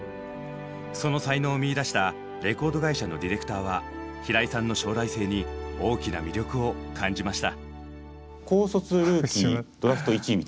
その才能を見いだしたレコード会社のディレクターは平井さんの将来性に大きな魅力を感じました。